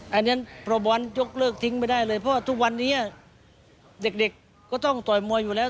อย่างนี้บรบว้านจบหลอกทิ้งไม่ได้เลยเพราะว่าทุกวันนี้ก็ต้องต่อยมวยอยู่แล้ว